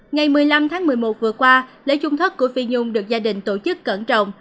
ngày một mươi năm tháng một mươi một vừa qua lễ trung thất của phi nhung được gia đình tổ chức cẩn trọng